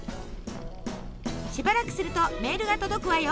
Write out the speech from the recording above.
しばらくするとメールが届くわよ。